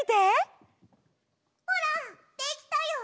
ほらできたよ！